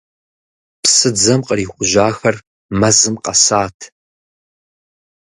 Псыдзэм кърихужьахэр мэзым къэсат.